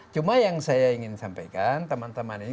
cuma yang saya ingin sampaikan teman teman ini